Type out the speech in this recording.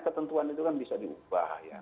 ketentuan itu kan bisa diubah ya